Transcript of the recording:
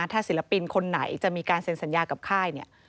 ถ้าศิลปินคนไหนจะมีการเซ็นสัญญากับค่ายเนี่ย